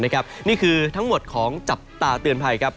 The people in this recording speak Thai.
นี่คือทั้งหมดของจับตาเตือนภัยครับ